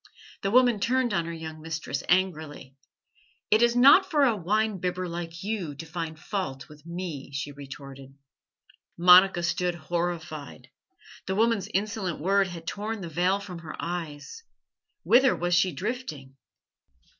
The woman turned on her young mistress angrily. "It is not for a wine bibber like you to find fault with me," she retorted. Monica stood horrified. The woman's insolent word had torn the veil from her eyes. Whither was she drifting?